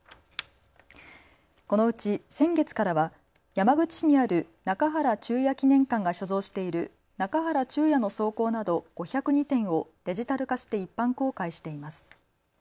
このうち先月からは山口市にある中原中也記念館が所蔵している中原中也の草稿など５０２点をデジタル化して一般公開しています。